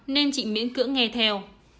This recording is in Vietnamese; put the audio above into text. nên chị miễn cữ nghe theo